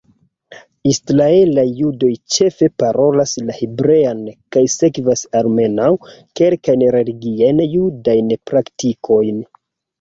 Israelaj judoj ĉefe parolas la hebrean kaj sekvas almenaŭ kelkajn religiajn judajn praktikojn.